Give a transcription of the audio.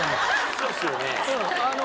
そうですよね。